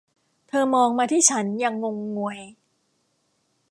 เธอมองมาที่ฉัน อย่างงงงวย